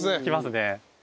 きますね。